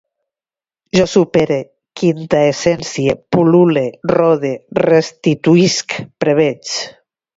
Jo supere, quintaessencie, pul·lule, rode, restituïsc, preveig